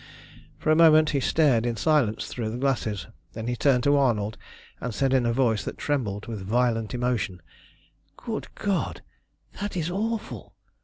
For a moment he stared in silence through the glasses, then he turned to Arnold and said in a voice that trembled with violent emotion "Good God, that is awful!